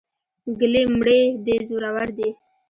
ګلې مړې دې زورور دي.